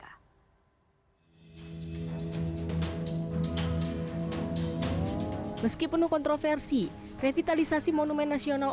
akan kelihatan mahal